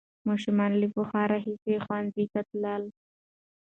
ماشومان له پخوا راهیسې ښوونځي ته تلل.